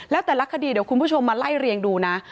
แล้วแต่ละคดีเดี๋ยวคุณผู้ชมมาไล่เรียงดูนะ